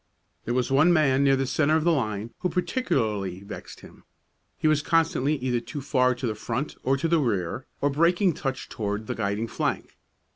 There was one man near the centre of the line who particularly vexed him. He was constantly either too far to the front or to the rear, or breaking touch toward the guiding flank.